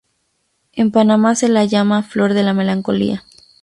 En Panamá se la llama flor de la melancolía.